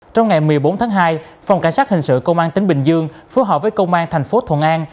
trong ngày một mươi bốn tháng hai phòng cảnh sát hình sự công an tỉnh bình dương phối hợp với công an thành phố thuận an